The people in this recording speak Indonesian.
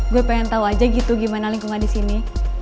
gue pengen tau aja gitu gimana lingkungan disini